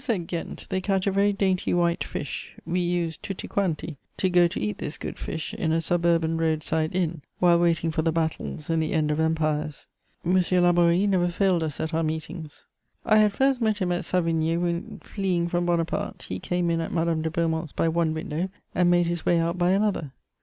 ] In the rivers at Ghent they catch a very dainty white fish: we used, tutti quanti, to go to eat this good fish in a suburban road side inn, while waiting for the battles and the end of empires. M. Laborie never failed us at our meetings: I had first met him at Savigny when, fleeing from Bonaparte, he came in at Madame de Beaumont's by one window and made his way out by another.